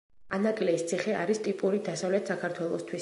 ანაკლიის ციხე არის ტიპური დასავლეთ საქართველოსთვის.